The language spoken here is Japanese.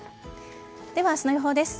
では、明日の予報です。